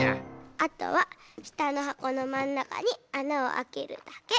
あとはしたのはこのまんなかにあなをあけるだけ。